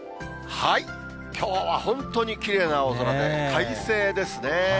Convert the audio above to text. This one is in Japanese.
きょうは本当にきれいな青空で、快晴ですね。